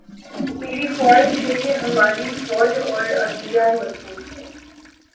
میری خواہش ہے کہ ہماری فوج اور عدلیہ مضبوط ہوں۔